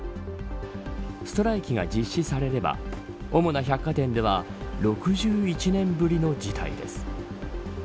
ストライキが実施されれば主な百貨店では６１年ぶりの事態です。